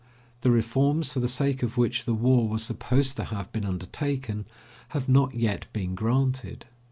The reforms, for the sake of which the war was supposed to have been undertaken, have not yet been granted.